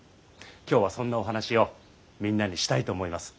今日はそんなお話をみんなにしたいと思います。